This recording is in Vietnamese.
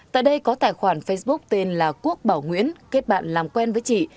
tại đây có tài khoản facebook tên là quốc bảo nguyễn kết bạn làm quen với chị